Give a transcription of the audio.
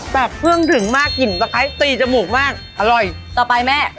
เครื่องถึงมากกลิ่นตะไคร้ตีจมูกมากอร่อยต่อไปแม่